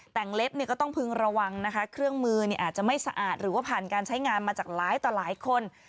แต่งเล็บก็ต้องพึงระวังนะคะเครื่องมืออาจจะไม่สะอาดหรือว่าผ่านการใช้งานมาจากหลายต่อหลายคน